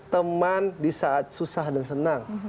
teman di saat susah dan senang